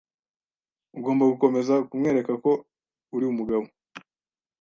Ugomba gukomeza kumwereka ko uri umugabo